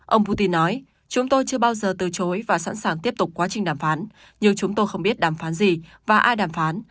ông putin nói chúng tôi chưa bao giờ từ chối và sẵn sàng tiếp tục quá trình đàm phán nhưng chúng tôi không biết đàm phán gì và ai đàm phán